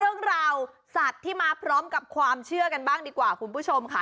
เรื่องราวสัตว์ที่มาพร้อมกับความเชื่อกันบ้างดีกว่าคุณผู้ชมค่ะ